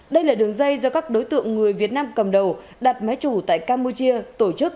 đây là đường dây do các đối tượng người việt nam cầm đầu đặt máy chủ tại campuchia tổ chức